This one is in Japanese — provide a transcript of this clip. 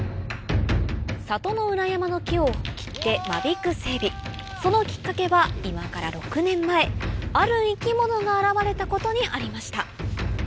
里の裏山の木を切って間引く整備そのきっかけは今から６年前ある生き物が現れたことにありました